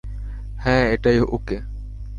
হ্যাঁ এটাই ওকে।